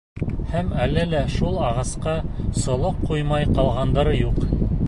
Һәм әле лә шул ағасҡа солоҡ ҡуймай ҡалғандары юҡ.